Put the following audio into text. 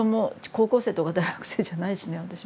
高校生とか大学生じゃないしね私も。